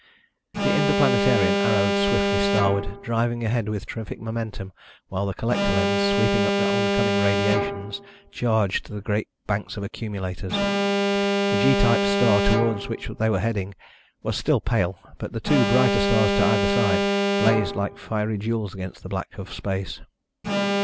The Interplanetarian arrowed swiftly starward, driving ahead with terrific momentum while the collector lens, sweeping up the oncoming radiations, charged the great banks of accumulators. The G type star toward which they were heading was still pale, but the two brighter stars to either side blazed like fiery jewels against the black of space.